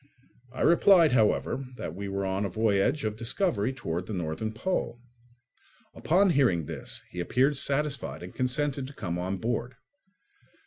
I replied, however, that we were on a voyage of discovery towards the northern pole. Upon hearing this he appeared satisfied and consented to come on board.